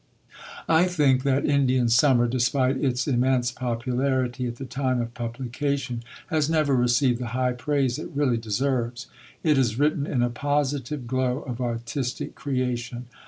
I think that Indian Summer, despite its immense popularity at the time of publication, has never received the high praise it really deserves. It is written in a positive glow of artistic creation.